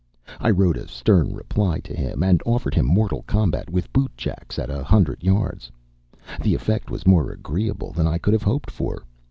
I wrote a stern reply to him, and offered him mortal combat with boot jacks at a hundred yards. The effect was more agreeable than I could have hoped for.